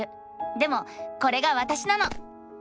でもこれがわたしなの！